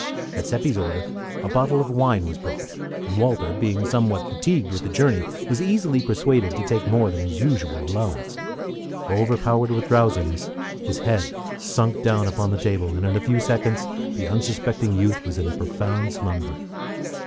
At Seppi's order a bottle of wine was brought, and Walter, being somewhat fatigued with the journey, was easily persuaded to take more than his usual allowance. Overpowered with drowsiness, his head sunk down upon the table, and in a few seconds the unsuspecting youth was in a profound slumber.